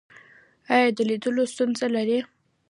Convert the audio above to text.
ایا د لیدلو ستونزه لرئ؟